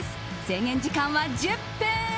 制限時間は１０分。